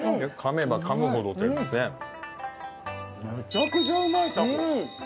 めちゃくちゃうまいタコ。